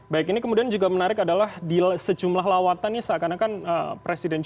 baik ini kemudian juga menarik adalah di sejumlah lawatannya seakan akan presiden cg dua puluh